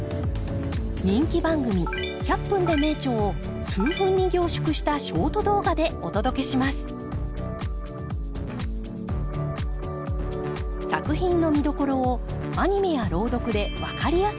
人気番組「１００分ｄｅ名著」を数分に凝縮したショート動画でお届けします作品の見どころをアニメや朗読で分かりやすくご紹介。